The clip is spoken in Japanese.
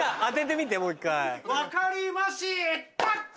分かりましたっ！